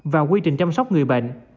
và quy trình chăm sóc người bệnh